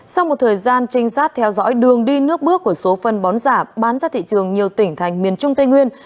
sau một thời gian trinh sát theo dõi đường đi nước bước của số phân bón giả bán ra thị trường nhiều tỉnh thành miền trung tây nguyên